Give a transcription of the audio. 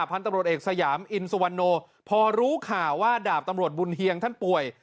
พันธุ์ตำรวจเอกสยามอินสุวรรณโนพอรู้ข่าวว่าดาบตำรวจบุญเฮียงท่านป่วย